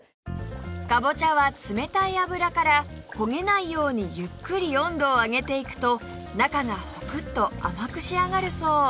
かぼちゃは冷たい油から焦げないようにゆっくり温度を上げていくと中がホクッと甘く仕上がるそう